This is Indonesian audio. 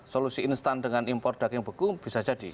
solusi instan dengan impor daging beku bisa jadi